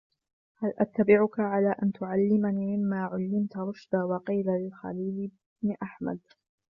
هَلْ أَتَّبِعُكَ عَلَى أَنْ تُعَلِّمَنِ مِمَّا عُلِّمْتَ رُشْدًا وَقِيلَ لِلْخَلِيلِ بْنِ أَحْمَدَ